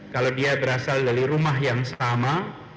kalau dia berasal dari rumah yang sama